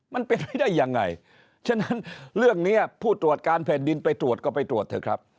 มันเป็นไปได้ยังไงฉะนั้นเรื่องนี้ผู้ตรวจการแผ่นดินไปตรวจก็ไปตรวจเถอะครับ